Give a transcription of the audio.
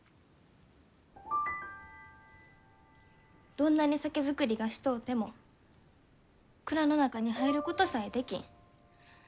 どんなに酒造りがしとうても蔵の中に入ることさえできん。